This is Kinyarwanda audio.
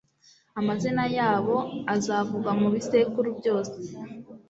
amazina yabo azavugwa mu bisekuru byose